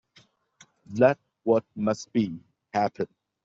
Let what must be, happen.